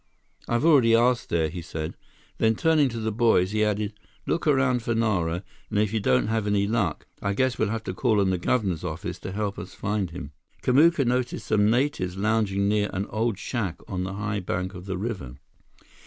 "I've already asked there," he said. Then, turning to the boys, he added, "Look around for Nara, and if you don't have any luck, I guess we'll have to call on the governor's office to help us find him." Kamuka noticed some natives lounging near an old shack on the high bank of the river.